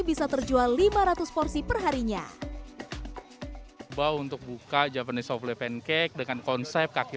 bisa terjual lima ratus porsi perharinya bau untuk buka japanese softley pancake dengan konsep kaki